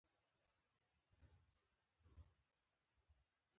په افغانستان کي د افغان میرمنو رول تاریخي دی.